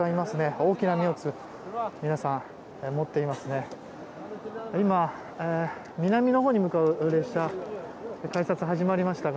大きな荷物を皆さん持っていますね。